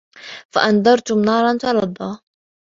فَأَنذَرتُكُم نارًا تَلَظّى